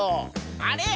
あれ？